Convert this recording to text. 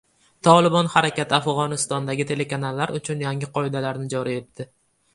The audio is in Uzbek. “Tolibon” harakati Afg`onistondagi telekanallar uchun yangi qoidalarni joriy etdi